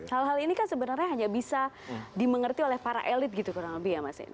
hal hal ini kan sebenarnya hanya bisa dimengerti oleh para elit gitu kurang lebih ya mas